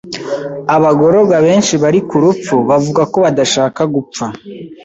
Abagororwa benshi bari ku rupfu bavuga ko badashaka gupfa.